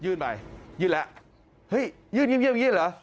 ยื่นไปยื่นแล้วเฮ้ยยื่นยื่นยื่นยื่นเหรอ